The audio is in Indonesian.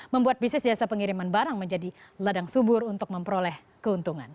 membuat bisnis jasa pengiriman barang menjadi ladang subur untuk memperoleh keuntungan